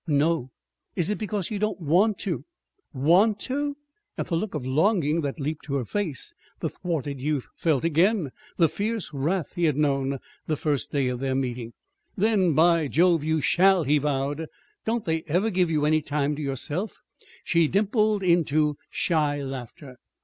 "No." "Is it because you don't want to?" "Want to!" At the look of longing that leaped to her face, the thwarted youth felt again the fierce wrath he had known the first day of their meeting. "Then, by Jove, you shall!" he vowed. "Don't they ever give you any time to yourself?" She dimpled into shy laughter.